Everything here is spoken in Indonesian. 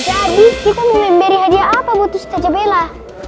jadi kita mau memberi hadiah apa butuh setaja bela